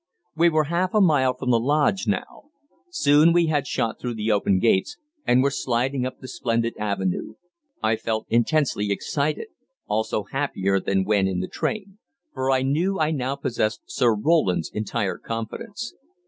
We were half a mile from the lodge, now. Soon we had shot through the open gates, and were sliding up the splendid avenue. I felt intensely excited, also happier than when in the train, for I knew I now possessed Sir Roland's entire confidence.